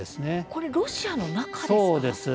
これはロシアの中ですか。